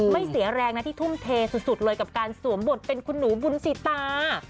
เสียแรงนะที่ทุ่มเทสุดเลยกับการสวมบทเป็นคุณหนูบุญสิตา